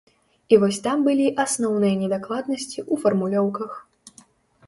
І вось там былі асноўныя недакладнасці ў фармулёўках.